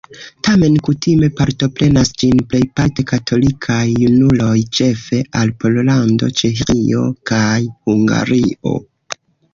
Tamen kutime partoprenas ĝin plejparte katolikaj junuloj, ĉefe el Pollando, Ĉeĥio kaj Hungario.